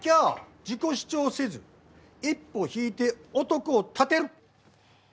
自己主張せず一歩引いて男を立てる。